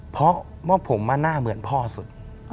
เพราะว่าผมหน้าเหมือนพ่อสุด